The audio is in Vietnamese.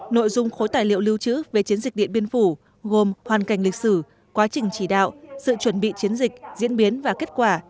nội dung khối tài liệu lưu trữ về chiến dịch điện biên phủ gồm hoàn cảnh lịch sử quá trình chỉ đạo sự chuẩn bị chiến dịch diễn biến và kết quả